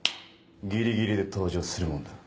ギリギリで登場するもんだ。